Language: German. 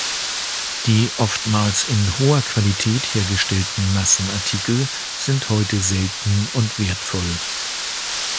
Die oftmals in hoher Qualität hergestellten Massenartikel sind heute selten und wertvoll.